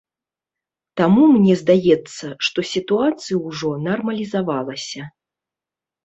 Таму мне здаецца, што сітуацыя ўжо нармалізавалася.